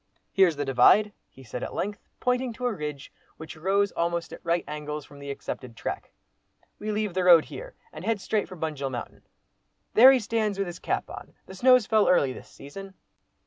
"Here's the Divide!" he said at length, pointing to a ridge which rose almost at right angles from the accepted track. "We leave the road here, and head straight for Bunjil mountain. There he stands with his cap on! The snow's fell early this season."